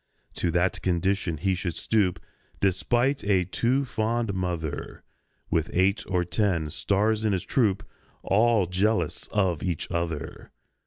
To that condition he should stoop (Despite a too fond mother), With eight or ten "stars" in his troupe, All jealous of each other!